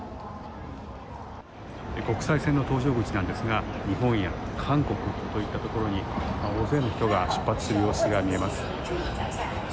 国際線の搭乗口なんですが日本や韓国といったところに大勢の人が出発する様子が見えます。